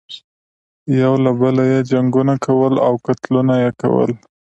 یو له بله یې جنګونه کول او قتلونه یې کول.